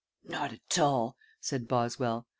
"Not at all," said Boswell.